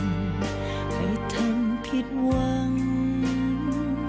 ให้ทำผิดหวัง